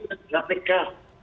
itu adalah hal yang harus dikatakan